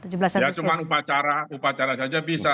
ya cuma upacara upacara saja bisa